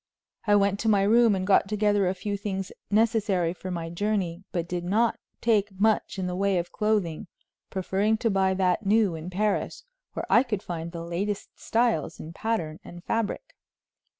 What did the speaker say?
I went to my room and got together a few things necessary for my journey, but did not take much in the way of clothing, preferring to buy that new in Paris, where I could find the latest styles in pattern and fabric.